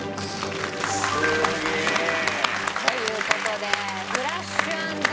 すげえ！という事で。